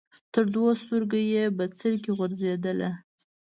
تر دوو سترګو یې بڅري غورځېدله